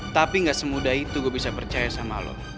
tapi gak semudah itu gue bisa percaya sama lo